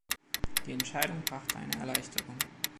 Die Entscheidung brachte eine Erleichterung.